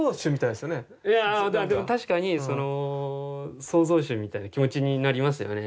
いやでも確かに創造主みたいな気持ちになりますよね。